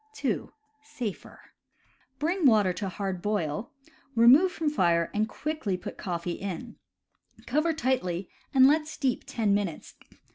(2) (Safer.) Bring water to hard boil, remove from fire and quickly put coffee in. Cover tightly and let steep ten minutes.